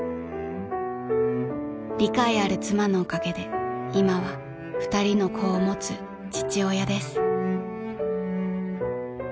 ［理解ある妻のおかげで今は２人の子を持つ父親です］